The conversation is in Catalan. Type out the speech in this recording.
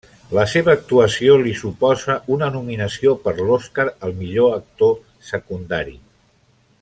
La seva actuació li suposa una nominació per l'Oscar al millor actor secundari.